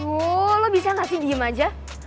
oh lo bisa gak sih diem aja